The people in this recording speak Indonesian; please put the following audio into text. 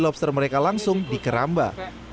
lobster mereka langsung di keramba